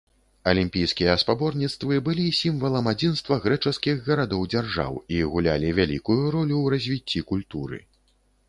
Алімпійскія спаборніцтвы былі сімвалам адзінства грэчаскіх гарадоў-дзяржаў і гулялі вялікую ролю ў развіцці культуры.